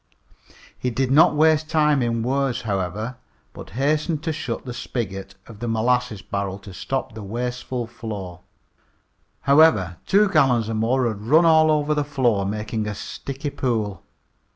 He did not waste time in words, however, but hastened to shut the spigot of the molasses barrel to stop the wasteful flow. However, two gallons or more had run all over, the floor, making a sticky pool.